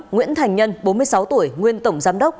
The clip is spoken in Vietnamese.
nguyễn thành nhân bốn mươi sáu tuổi nguyên tổng giám đốc